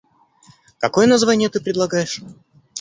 Какое название ты предлагаешь?